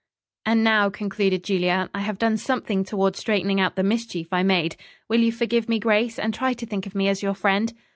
"And now," concluded Julia, "I have done something toward straightening out the mischief I made. Will you forgive me, Grace, and try to think of me as your friend?"